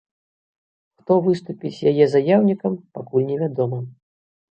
Хто выступіць яе заяўнікам, пакуль невядома.